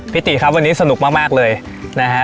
ตีครับวันนี้สนุกมากเลยนะฮะ